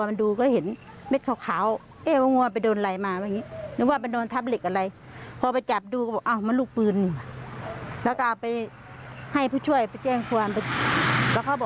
ไม่รู้ว่าเขาทำวัวไม่รู้ว่าวัวทำอะไรให้เขา